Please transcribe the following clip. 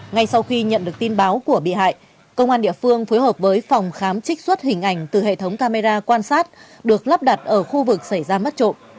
ngay sau khi nhận được tin báo của bị hại công an địa phương phối hợp với phòng khám trích xuất hình ảnh từ hệ thống camera quan sát được lắp đặt ở khu vực xảy ra mất trộm